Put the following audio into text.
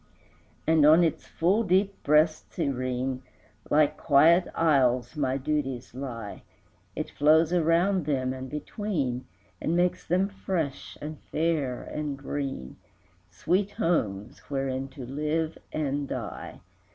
X. And, on its full, deep breast serene, Like quiet isles my duties lie; It flows around them and between, And makes them fresh and fair and green, Sweet homes wherein to live and die.